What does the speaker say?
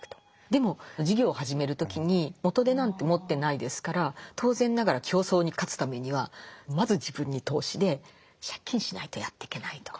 でも事業を始める時に元手なんて持ってないですから当然ながら競争に勝つためにはまず自分に投資で借金しないとやってけないと。